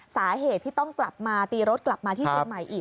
สาเหตุที่ต้องกลับมาตีรถกลับมาที่เชียงใหม่อีก